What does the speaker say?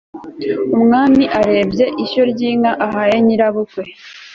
umwami arebye ishyo ry'inka, ahaye nyirabukwe